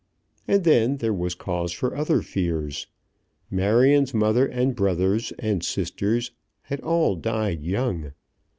And then there was cause for other fears. Marion's mother and brothers and sisters had all died young.